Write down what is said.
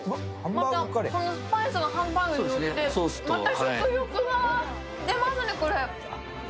このスパイスがハンバーグにのって、また食欲が出ますね、これ。